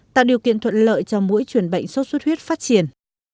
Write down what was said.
tạo điều kiện thuận lợi cho mũi chuyển bệnh sốt suốt huyết phát triển